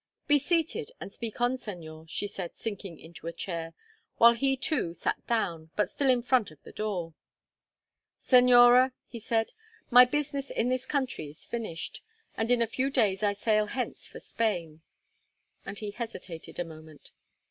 "Be seated, and speak on, Señor," she said, sinking into a chair, while he too sat down, but still in front of the door. "Señora," he said, "my business in this country is finished, and in a few days I sail hence for Spain." And he hesitated a moment.